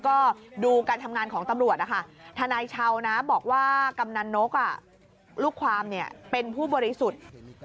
ก็ดูการทำงานของตำรวจนะคะทนายชาวนะบอกว่ากำนันนกลูกความเป็นผู้บริสุทธิ์